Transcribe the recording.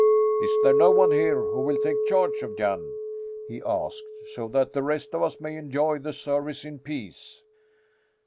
Is there no one here who will take charge of Jan," he asked, "so that the rest of us may enjoy the service in peace?"